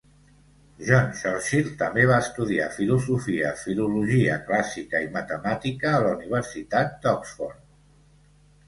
John Churchill també va estudiar filosofia, filologia clàssica i matemàtica a la Universitat d'Oxford.